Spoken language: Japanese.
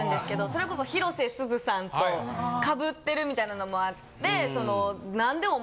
それこそ広瀬すずさんとかぶってるみたいなのもあって。